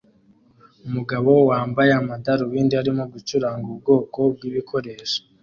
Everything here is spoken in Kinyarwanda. Umugabo wambaye amadarubindi arimo gucuranga ubwoko bwibikoresho